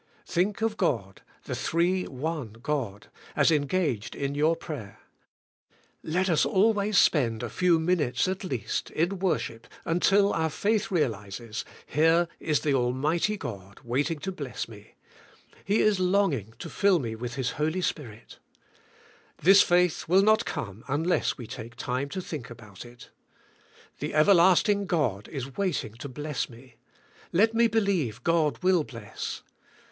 Think of God, the Three One God, as engaged in your prayer. Let us always spend a few minutes, at least, in worship, until our faith realizes. Here is the Almighty God, waiting to bless me. He is longing to fill me with His Holy Spirit. This faith will not come unless we take time to think about it. The Everlasting God is waiting to bless me. Let me believe God will bless.